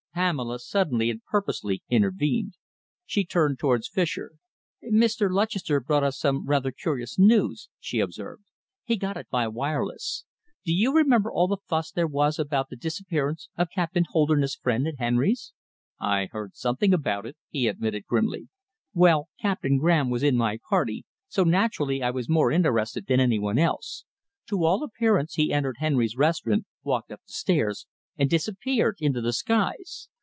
Pamela suddenly and purposely intervened. She turned towards Fischer. "Mr. Lutchester brought some rather curious news," she observed. "He got it by wireless. Do you remember all the fuss there was about the disappearance of Captain Holderness' friend at Henry's?" "I heard something about it," he admitted grimly. "Well, Captain Graham was in my party, so naturally I was more interested than any one else. To all appearance he entered Henry's Restaurant, walked up the stairs, and disappeared into the skies.